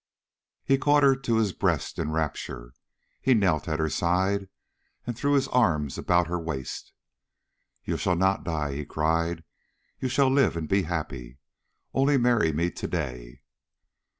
He caught her to his breast in rapture. He knelt at her side and threw his arms about her waist. "You shall not die," he cried. "You shall live and be happy. Only marry me to day."